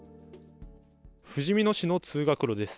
ふじみ野市の通学路です。